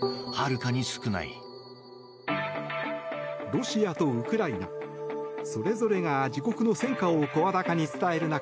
ロシアとウクライナそれぞれが自国の戦果を声高に伝える中